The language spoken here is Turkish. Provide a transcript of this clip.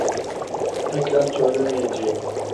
Tekrar söylemeyeceğim.